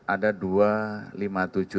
ada dua lima tujuh